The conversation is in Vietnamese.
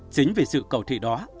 chính vì sự cầu thị đó